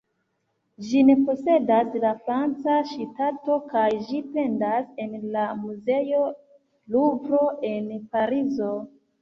Ĝin posedas la franca ŝtato kaj ĝi pendas en la muzeo Luvro en Parizo.